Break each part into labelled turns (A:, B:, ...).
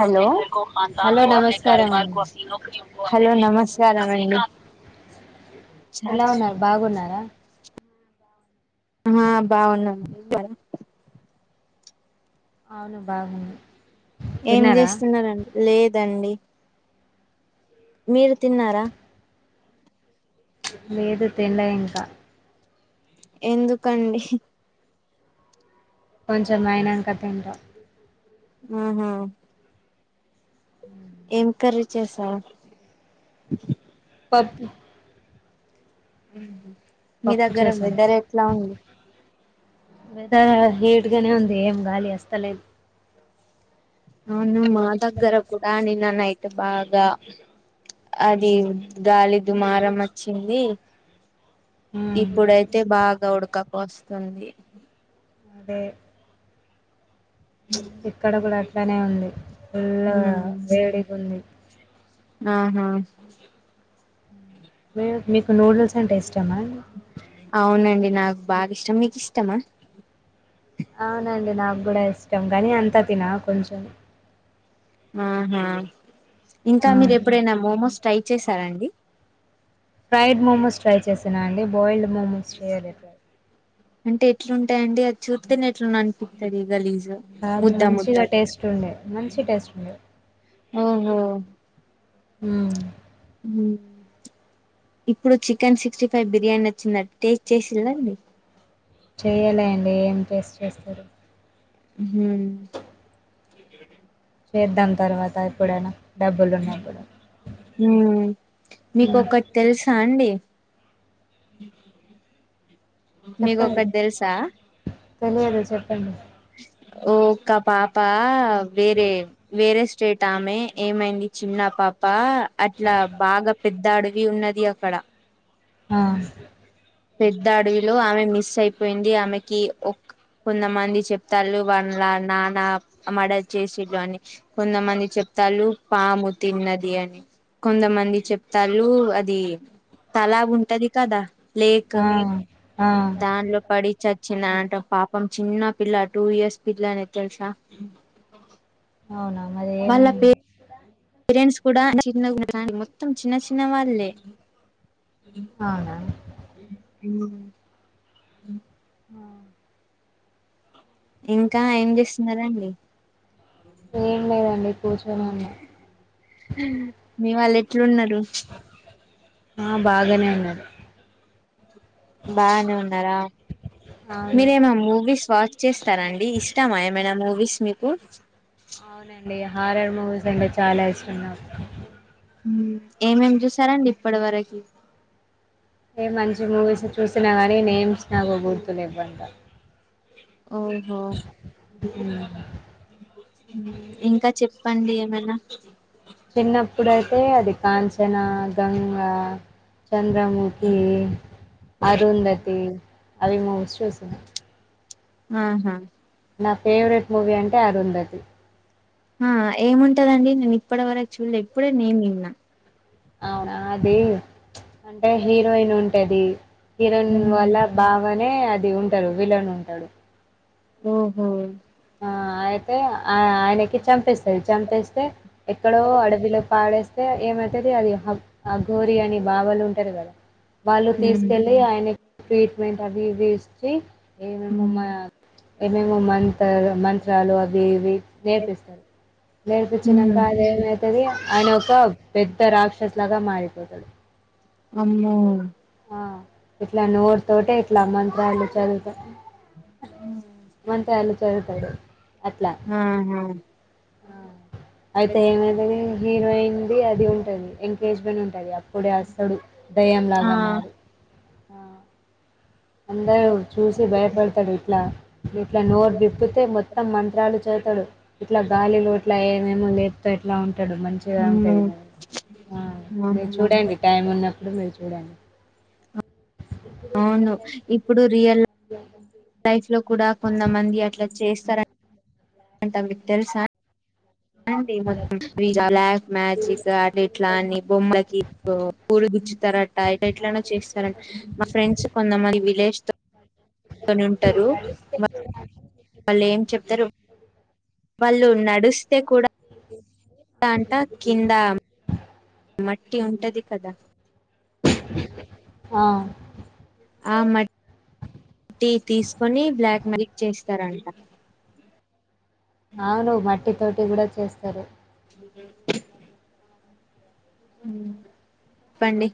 A: Hollow
B: hello నమస్కారం అండి
A: hello నమస్కారం అండి
B: ఎలా ఉన్నారు బాగున్నారా
A: ఆ బాగున్నాం [inaudible]
B: అవును బాగున్నం మేం
A: ఏం చేస్తునారండి లేదండి మీరు తిన్నారా
B: లేదు తిన్లా ఇంక
A: ఎందుకండి
B: కొంచం అయినంక తింటా
A: హ్మ్ హు ఏం కర్రీ చేసావ్
B: పప్పు
A: మీ
B: పప్పు
A: దగ్గర వేథెర్ ఎట్లా ఉంది
B: వెదరు వేడిగానే ఉంది ఏం గాలి వస్తలేదు
A: అవును మా దగ్గర కూడాని నిన్న నైట్ బాగా అది గాలి దుమారం వచ్చింది
B: మ్మ్
A: ఇప్పుడైతే బాగా ఉడక పోస్తుంది
B: అదే ప్చ్ ఇక్కడ కూడా అట్లానే ఉంది ఫుల్ వేడిగా ఉంది
A: ఆహా
B: మీ మీకు నూడిల్స్ అంటే ఇష్ట
A: అవునండి నాకు బాగా ఇష్టం మీకు ఇష్టమా
B: అవునండి నాకు కూడా ఇష్టం కానీ అంత తిన కొంచెం ఆ
A: ఇంకా మీరు ఎప్పుడైనా మోమోస్ ట్రై చేశారా అండి
B: ఫ్రైడ్ మోమోస్ ట్రై చేసానా అండి బాయిల్డ్ మోమోస్ చేయలే ట్రై
A: అంటే ఎట్లుంటాయి అండి అది చూత్తేనే ఎట్లనో అనిపిత్తది గలీజ్
B: కాదు మంచిగా టేస్ట్ ఉండే మంచి టేస్ట్ ఉండే
A: ఓహో
B: ఊ
A: ఊ ఇప్పుడు చికెన్ సిక్స్టీ ఫైవ్ బిర్యానీ వచ్చిందా టేస్ట్ చేసిల్లా మీకు
B: చెయ్యలే అండి ఏం టేస్ట్ చేస్తరు
A: ఉహూ
B: చేద్దాం తర్వాత ఎప్పుడైనా డబ్బులు ఉన్నప్పుడు
A: ఉమ్మ్
B: హ్మ్
A: మీకొకటి తెలుసా అండి
B: చెప్పండి
A: మీకొకటి తెలుసా
B: తెలియదు చెప్పండి
A: ఓక పాప వేరే వేరే స్టేట్ టామె ఏమైంది చిన్న పాప అట్లా బాగా పెద్ద అడవి ఉన్నది అ క్కడ
B: ఆ
A: పెద్ద అడవిలో ఆమె మిస్ అయిపోయింది ఆమెకి ఒక్ కొంతమంది చెప్తాల్లు వాళ్ళు నాన్న మడర్ చేసిళ్ళు అని కొంతమంది చెప్ తలు పాము తిన్నది అని కొంతమంది చెప్తాలు అది తల ఉంటది కదా లేక్
B: ఆ ఆ
A: దానిలో పడి చ చ్చిన అంట పాపం చిన్న పిల్ల టూ ఇయర్స్ పిల్లనే తెలుసా
B: అవునా మరి ఏమైంది
A: ఫ్రెండ్స్ కూడా [unintelligible] మొత్తం చిన్న చిన్న వాళ్ళే
B: అవునా
A: అ
B: ఆ!
A: ఇంకా ఏం చేస్తున్నరండి
B: ఏం లేదండి కూర్చొని ఉన్నా
A: మీ వాళ్ళు ఎట్లున్నరు
B: ఆ బాగానే ఉన్నారు
A: బానే ఉన్నారా
B: అవును
A: మీరేమా మూవీస్ వాచ్ చేస్తారా అండి ఇష్టామా ఏమైనా మూవీస్ మీకు
B: అవునండి హారర్ మూవీస్ అంటే చాలా ఇష్టం నాకు
A: ఏమేం చూసారండి ఇప్పటి వరకి
B: ఏ మంచి మూవీస్ చూసినా గానీ నేమ్స్ నాకు గుర్తులెవ్ అంత
A: ఓహో
B: హ్మ్.
A: ఇంకా చె ప్పండి ఏమైనా
B: చిన్నప్పుడు ఐతే అది కాంచన గంగ చంద్రముఖి అరుంధతి అవి మూవీస్ చూసినా
A: ఆహా
B: నా ఫేవరెట్ మూవీ అంటే అరుంధతి
A: ఆ ఏం ఉంటదండి నేను ఇప్పటి వరకు చూడలే ఇప్పుడే నేమ్ విన్నా
B: అవునా అది అంటే హీరోయిన్ ఉంటది హిరోయిన్ వల్ల బావనే అది ఉంటారు విలన్ ఉంటాడు
A: ఓహో
B: ఆ అయితే ఆ ఆయనకి చంపిస్త రు చంపేస్తే ఎక్కడో అడవిలో పాడేస్తే ఏమవుతుంది అది హబ్ ఆఘోరి అని బాబాలు ఉంటారు కదా వాళ్ళు
A: ఉమ్
B: తీసుకెళ్ళి ఆయనకు ట్రీట్మెంట్ చవివిస్తి ఏమేమమ్
A: ఉమ్
B: ఏమేమోమ్ మ మంత్రాలు అవి ఇవి నేర్పిస్తారు
A: ఉమ్
B: నేర్పించినాంకా అది ఏమైతుది అని ఒక పెద్ద రాక్షసులాగా మారి పోతాడు
A: అమ్మో
B: ఆ ఇట్లా నోరు తోటే ఇట్లా మంత్రాలు చదుత మంత్రాలు చదువుతాడు అట్లా
A: ఆహా
B: ఆ అయితే ఏమైతది హీరోయిన్ అది అది ఉంటది ఎంగేజ్మెంట్ ఉంటది అప్పుడే వస్తాడు
A: ఆ
B: దయ్యంలాగా మారి ఆ అందరూ చూసి భయపడతారు ఇట్లా ఇట్లా నోరు విప్పతే మొత్తం మంత్రాలు చదువుతడు ఇట్లా గాలిలో ఇట్లా ఏమేమో లేపుపుతే ఎట్లా ఉంటాడు మంచిగా ఉంటాది ఆ మీరు చూడండి టైం ఉన్నప్పుడు మీరు చూడండి
A: అవును ఇప్పుడు రియల్ లైఫ్ లో కూడా కొంతమంది అట్లా చేస్తారు అట మీకు తెలుసా అడి మొత్తం బ్లాక్ మ్యాజిక్ అ ఇట్లా అని బొమ్మలకి కుచ్చుతరట ఎట్లా ఎట్లానో చేస్తారటా మా ఫ్రెండ్స్ కొందమంది విలేజ్ త అని ఉంటారు వాళ్ళు ఏం చెప్తారు వాళ్ళు నడు
B: అ
A: స్తా అంట కింద మట్టి ఉంటది కదా
B: ఆ
A: ఆ మ ట్టి తీసుకొని బ్లాక్ మ్యాజిక్ చేస్తారంట
B: అవును మట్టి తోటి కూడా చేస్తారు
A: ఉ పండి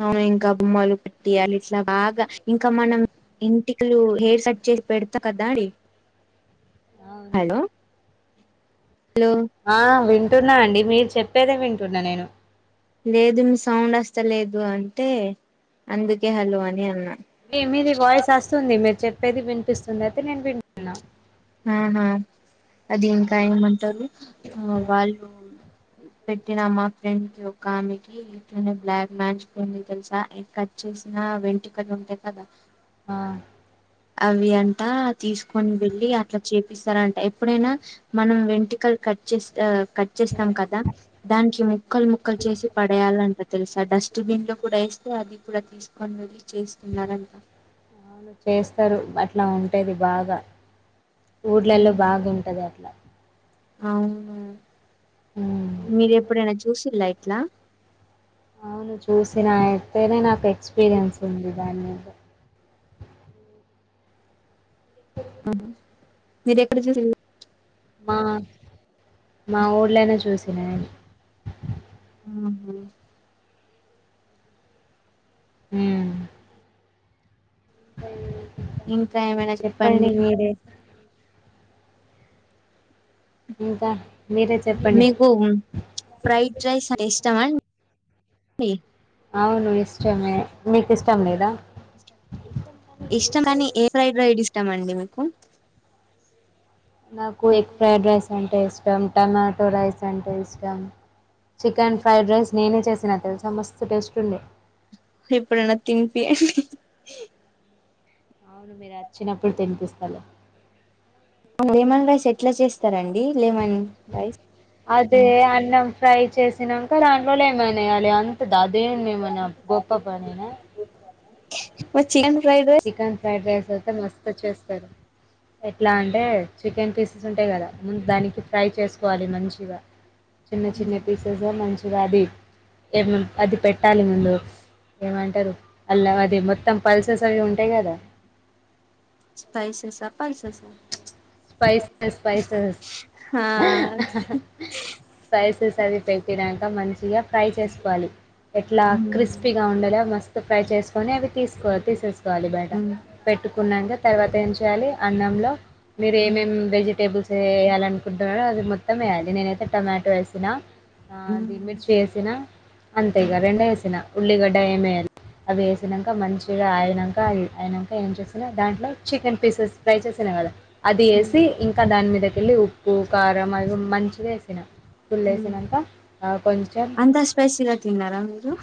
A: అవును ఇంకా బొమ్మలు పెట్టియాలి ఇట్లా బాగా ఇంకా మనం ఎంటికలు హెయిర్ కట్ చేసి పెడతా కదా అండి
B: అవును.
A: హలో హలో
B: ఆ వింటున్నా అండి మీరు చెప్పేదే వింటున్నా నేను
A: లేదు మీ సౌండ్ వస్తలేదు అంటే అందుకే హలో అని అన్నా
B: మీది వాయిస్ వస్తుంది మీరు చెప్పేది వినిపిస్తుంది అయితే నేను వింటున్నా
A: ఆహా అది ఇంకా
B: ఆ
A: ఏమంటారు ఆ వాళ్ళు పెట్టిన మా ఫ్రెండ్ కి ఒక ఆమెకి ఇట్నే బ్లాక్ మ్యాజిక్ ఉంది తెలుసా చేసిన వెంటికలు ఉంటాయి కదా
B: ఆ
A: అవి అంటా తీసుకొని వెళ్ళి అట్లా చేపిస్తారంట ఎప్పుడైనా మనం వెంటికలు కట్ చేస్ ఆ కట్ చేస్తాం కదా దానికి ముక్కలు ముక్కలు చేసి పడేయాలంట తెలుసా డస్ట్బిన్ లో కూడ ఏస్ అది కూడా తీసుకొని వెళ్ళి చేస్తున్నారంట
B: అవును చెప్ ల్లరు అట్లా ఉంటది బాగా ఊర్లల్లో బాగుంటది అట్లా
A: అవునూ
B: ఉమ్
A: మీరెప్పుడైనా చూసిల్లా ఇట్లా
B: అవును చూసిన అయితేనే నాకు ఎక్స్పీరియన్స్ ఉంది దాని మీద
A: మీరెక్కడ చూసిల్లు
B: మా మా ఊళ్ళనే చూసిన నేను
A: ఆహా
B: ఉమ్
A: ఇంకా ఏమైనా
B: చెప్పండి మీరే ఇంకా మీరే చెప్పండి
A: మీకు ఫ్రైడ్ రైస్ అంటే ఇష్టమా అండి
B: అవును ఇష్టమే మీకిష్టం లేదా
A: ఇష్టమని ఏ ఫ్రైడ్ రైడ్ ఇష్టమండి మీకు
B: నాకు ఎగ్ ఫ్రైడ్ రైస్ అంటే ఇష్టం, టమాటో రైస్ అంటే ఇష్టం చికన్ ఫ్రైడ్ రైస్ నేనే చేసినా తెలుసా మస్తు టేస్ట్ ఉండె
A: ఇప్పుడన్న తినిపి
B: అవును మీరచ్చినప్పుడు తినిపిస్తలే
A: లెమన్ రైస్ ఎట్ల చేస్తరం
B: అదే అన్నం ఫ్రై చేసినంక దాంట్లో లెమన్ ఏయాలి అంతె దాద్ దేమేమన్న గొప్ప పనేనా
A: chicken fried rice
B: chicken fried rice అయితే మస్త్ చేస్తరు ఎట్లా అంటే చికెన్ పీసెస్ ఉంటాయి గదా ముందు దానికి ఫ్రై చేసుకోవాలి మంచిగా చిన్న చిన్న పీసెస్ మంచి అది ఏమేం అది పెట్టాలి ముందు ఏమంటరు అల్లం అద్ ది మొత్తం పల్సెస్ అవి ఉంటయి గదా
A: స్పైసెస పల్సెస
B: స్పైసెస్ స్పైసెస్
A: హా
B: స్పైసెస్ అది పెట్టినంక మంచిగా ఫ్రై చేసుకోవాలి ఎట్లా
A: ఉమ్
B: క్రిస్పీగ ఉండలే మస్తు ఫ్రై చేసుకొని అవి తీస్కో తీసేస్ కోవాలి బయట
A: ఉమ్
B: పెట్టుకున్నంక తర్వాత ఏం చేయాలి అన్నంలో మీరు ఏమేం వెజిటేబుల్స్ వేయ్యాలనుకుంటున్నరో అది మొత్తం వేయాలి నేనైతే టొమాటో ఏసినా
A: ఉమ్
B: ఆదీ మిర్చి ఏసినా అంతే ఇగ రెండే ఏసిన ఉల్లిగడ్డ ఏమేయల్ అవి ఏసినంక మంచిగా అయినంక అయి అయినంక ఏం చేసిన దాంట్లో చికెన్ పీసెస్ ఫ్రై చేసిన నా గదా అది ఏసి ఇంకా దాని మీదకెళ్ళి ఉప్పు కారం అవి మంచిదగ ఏసిన పుల్ ఏసినంక
A: అంత స్పైసీగా తిన్నరా మీరు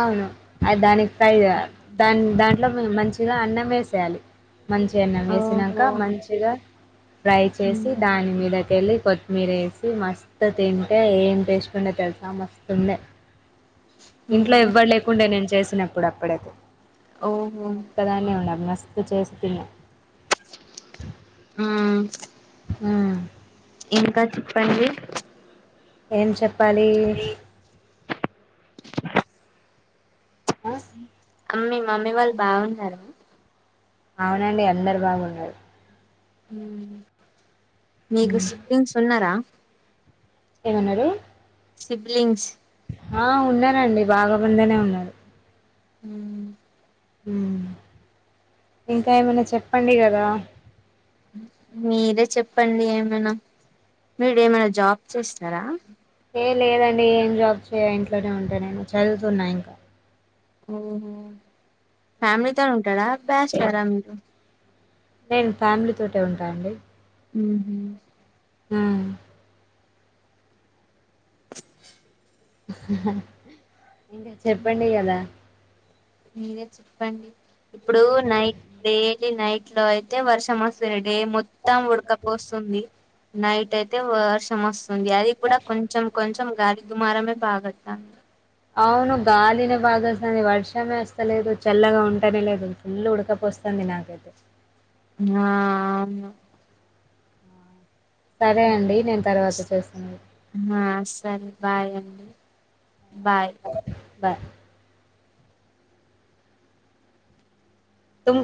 B: అవును అది దానికి ఫ్రై జేయాల్ దాన్ దాంట్లో మంచిగా అన్నమేసేయాలి మంచిగన్నం ఏసినంక
A: ఓహో
B: మంచిగా ఫ్రై చేసి
A: మ్మ్
B: దాని మీదకెల్లి కొత్మీర ఏసి మస్తు తింటే ఏం టేస్ట్ వుంటద్ తెల్సా మస్తుండే ఇంట్లో ఎవ్వల్లెకుండే నేను చేసినప్పుడు అప్పుడై
A: ఓహో
B: నేను ఒక్కదాన్నే ఉన్న మస్త్ చేస్తున్నా
A: ఊ
B: ఊ
A: ఇంకా చెప్పండి
B: ఏం చెప్పాలి ఆ
A: అమ్మి మమ్మీ వాళ్ళు బాగున్నారా
B: అవునండి అందరు బాగున్నారు
A: నీకు
B: మ్మ్
A: సిబ్లింగ్స్ ఉన్నారా
B: ఏమన్నారు
A: సిబ్లింగ్స్
B: ఆ ఉన్నారండి బాగా బందేనే ఉన్నాడు
A: మ్మ్
B: ఊ ఇంకా ఏమైనా చెప్పండి కదా
A: మీరే చెప్పండి ఏమైనా మీరు ఏమైనా జాబ్ చేస్తారా.
B: ఏ లేదండి ఏం జాబ్ చేయ ఇంట్లోనే ఉంట నేను చదువుతున్నా ఇంకా.
A: ఓహో ఫ్యామిలీతో ఉంటాడా బ్యాచిలర్ మీరు
B: నేను ఫ్యామిలీ తోటే ఉంటా అండి
A: ఉహు
B: ఆ ఇంకా చెప్పండి కదా
A: ఇప్పుడు నైట్ డైలీ నైట్ లో అయితే వర్షం వస్తాది డే మొత్తం ఉడకపోస్తుంది నైట్ అయితే వర్షం వస్తు ఉంది అది కూడా కొంచెం కొంచెం గాలి దుమారమే బాగొత్తంది
B: అవును గాలినె బాగా వస్తాంది వర్షమే వస్తలేదు. చల్లగా ఉంటనే లేదు ఫుల్ ఉడకపోస్త సంది నాకైతే
A: నా అవును
B: సరే అండి. నేను తర్వాత చేస్తాను.
A: ఆ సరే బాయ్ అ బాయ్
B: తుంకా